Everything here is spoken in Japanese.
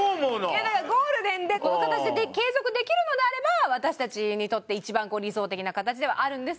いやだからゴールデンでこの形で継続できるのであれば私たちにとって一番理想的な形ではあるんですけど。